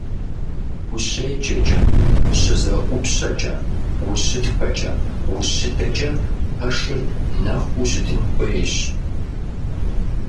УщеджэкӀэ, щызэӀупщэкӀэ, ущытхэкӀэ, ущыдэкӀэ пэшыр нэхуу щытын хуейщ.